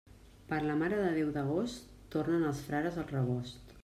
Per la Mare de Déu d'agost, tornen els frares al rebost.